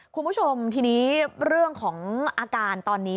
คุณผู้ชมทีนี้เรื่องของอาการตอนนี้